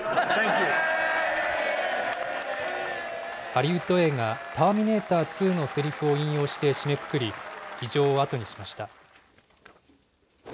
ハリウッド映画、ターミネーター２のせりふをいんようして締めくくり、議場を後にしました。